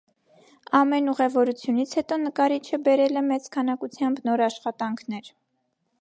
Ամեն ուղևորությունից հետո նկարիչը բերել է մեծ քանակությամբ նոր աշխատանքներ։